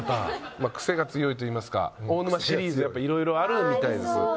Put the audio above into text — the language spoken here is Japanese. まあ癖が強いといいますか大沼シリーズやっぱいろいろあるみたいです。